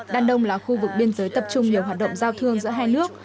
đan đông là khu vực biên giới tập trung nhiều hoạt động giao thương giữa hai nước